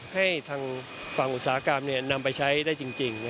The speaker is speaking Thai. ให้ทางฝั่งอุตสาหกรรมนำไปใช้ได้จริง